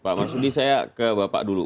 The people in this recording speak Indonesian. pak marsudi saya ke bapak dulu